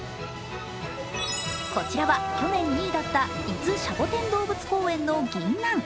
こちらは去年２位だった伊豆シャボテン公園のギンナン。